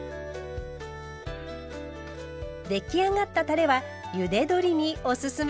出来上がったたれはゆで鶏におすすめ。